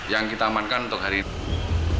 yang kita amankan untuk hari ini